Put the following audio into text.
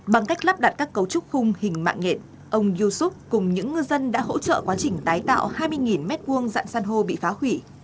bằng cách lắp đặt các cấu trúc khung hình mạng nghện ông yusuf cùng những ngư dân đã hỗ trợ quá trình tái tạo hai mươi mét vuông dạng săn hô bị phá hủy